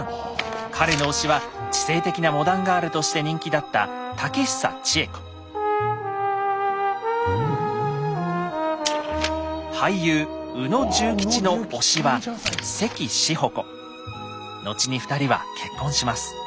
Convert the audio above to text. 彼の推しは知性的なモダンガールとして人気だった俳優・宇野重吉の推しは後に２人は結婚します。